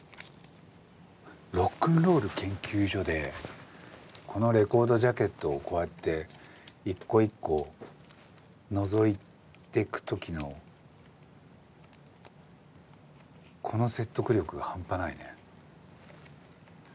ロックンロール研究所でこのレコードジャケットをこうやって一個一個のぞいていく時のこの説得力がハンパないね。